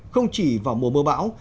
không chỉ vào mùa mưa bão